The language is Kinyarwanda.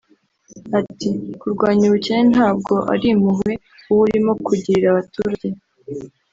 Ati “Kurwanya ubukene ntabwo ari impuhwe uba urimo kugirira abaturage